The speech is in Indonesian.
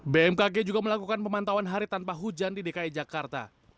bmkg juga melakukan pemantauan hari tanpa hujan di dki jakarta